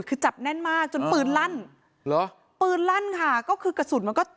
คือจับแน่นมากจนปืนลั่นเหรอปืนลั่นค่ะก็คือกระสุนมันก็